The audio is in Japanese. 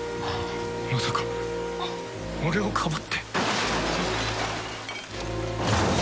まさか俺をかばって